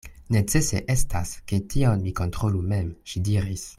Necese estas, ke tion mi kontrolu mem, ŝi diris.